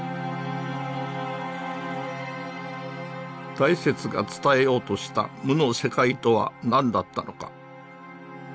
大拙が伝えようとした「無」の世界とは何だったのか。